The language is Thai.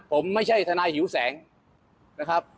ผมไม่ใช่ทนายหิวแสงนะครับ